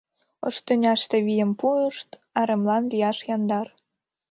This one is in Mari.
Ош тӱняште вийым пуышт Аремлан лияш яндар.